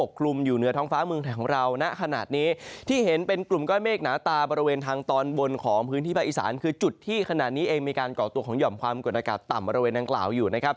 ของเราน่ะขนาดนี้ที่เห็นเป็นกลุ่มก้อยเมฆหน้าตาบริเวณทางตอนบนของพื้นที่ประอิศรรย์คือจุดที่ขนาดนี้เองมีการก่อตัวของหย่อมความกดอากาศต่ำบริเวณนางกล่าวอยู่นะครับ